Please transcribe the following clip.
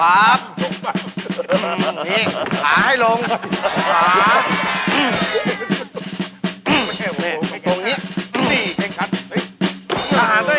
อาหารต้องอีก